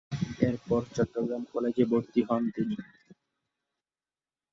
এরপর চট্টগ্রাম কলেজে ভর্তি হন তিনি।